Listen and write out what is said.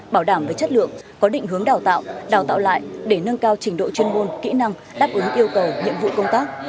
bảo đảm về chất lượng có định hướng đào tạo đào tạo lại để nâng cao trình độ chuyên môn kỹ năng đáp ứng yêu cầu nhiệm vụ công tác